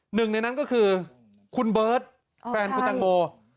หนึ่งในนั้นก็คือคุณเบิร์ตแฟนคุณแตงโม